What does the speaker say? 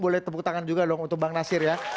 boleh tepuk tangan juga dong untuk bang nasir ya